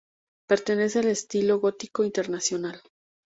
Pertenece al estilo gótico internacional.